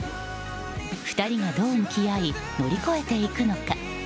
２人がどう向き合い乗り越えていくのか。